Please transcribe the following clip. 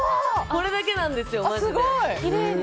これだけなんですよ、マジで。